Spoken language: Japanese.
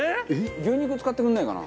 牛肉使ってくれないかな？